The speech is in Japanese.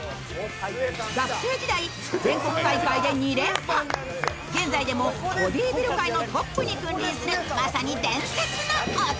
学生時代全国大会で２連覇現在でもボディビル界のトップに君臨するまさに伝説の男！